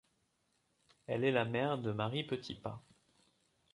Elle est la mère de Marie Petipa.